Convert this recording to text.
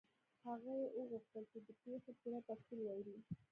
هغه وغوښتل چې د پیښې پوره تفصیل واوري.